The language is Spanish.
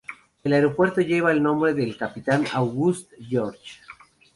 El aeropuerto lleva el nombre del Capitán Auguste George.